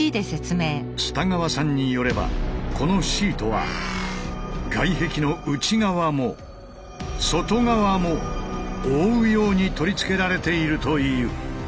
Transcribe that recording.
蔦川さんによればこのシートは外壁の内側も外側も覆うように取り付けられているという。